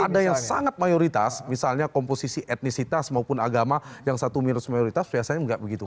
ada yang sangat mayoritas misalnya komposisi etnisitas maupun agama yang satu minus mayoritas biasanya nggak begitu